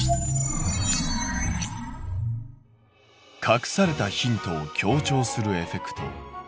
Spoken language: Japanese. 隠されたヒントを強調するエフェクト。